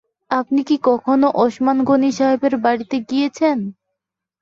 আপনি কি কখনো ওসমান গনি সাহেবের বাড়িতে গিয়েছেন?